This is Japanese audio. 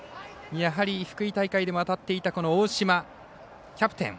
やはり福井大会でも当たっていた大島キャプテン。